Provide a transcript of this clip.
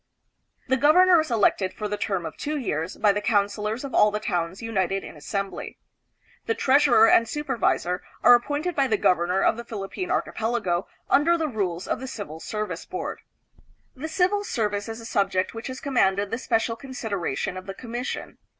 The governor is elected for the term of two years by the coun cilors of all the towns united in assembly. The treas urer and supervisor are appointed by the governor of the AMERICA AND THE PHILIPPINES. 311 Philippine archipelago under the rules of the Civil Ser vice Board. The civil service is a subject which has commanded the special consideration of the Commission.